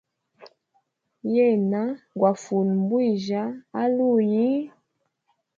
Yena gwa fule mbwijya aluyi.